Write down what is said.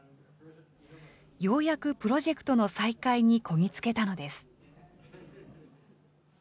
ようやくプロジェクトの再開にこぎ着けたのです。